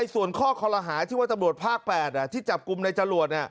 ส่วนข้อคอลหาที่ว่าตำรวจภาค๘ที่จับกลุ่มในจรวด